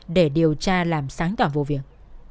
để điều tra làm sáng tỏa vụ việc